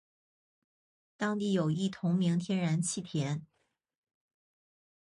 当地有一同名天然气田。